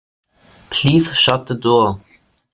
Please shut the door.